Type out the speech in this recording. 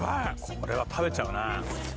これは食べちゃうな